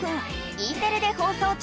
Ｅテレで放送中